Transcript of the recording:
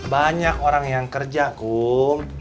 banyak orang yang kerja kum